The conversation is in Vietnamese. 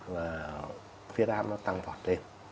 và huyết áp nó tăng vọt lên